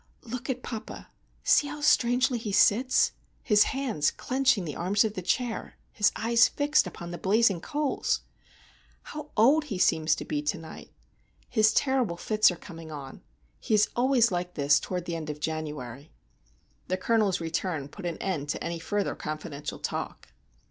"Look at papa—see how strangely he sits—his hands clenching the arms of the chair, his eyes fixed upon the blazing coals! How old he seems to be to night! His terrible fits are coming on—he is always like this toward the end of January!" The Colonel's return put an end to any further confidential talk.